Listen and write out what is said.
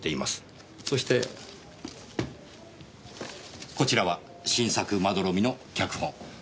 そしてこちらは新作『微睡』の脚本。